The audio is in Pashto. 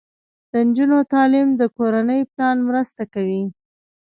د نجونو تعلیم د کورنۍ پلان مرسته کوي.